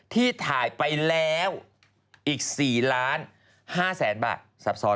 ที่ถ่ายไปแล้วอีก๔ล้าน๕แสนบาท